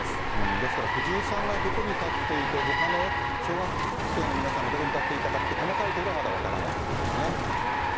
ですから、藤井さんがどこに立っていて、ほかの小学生の皆さんがどこに立っていたかって、細かいところはまだ分からないということですね。